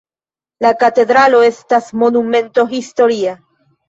La katedralo estas Monumento historia.